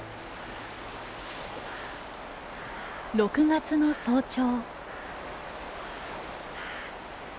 ６月の早朝。